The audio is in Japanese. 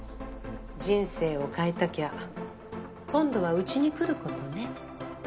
人生を変えたきゃ今度はうちに来ることね。